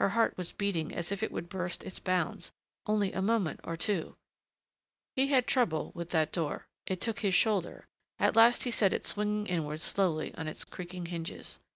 Her heart was beating as if it would burst its bounds. Only a moment or two He had trouble with that door. It took his shoulder; at last he set it swinging inward slowly on its creaking hinges.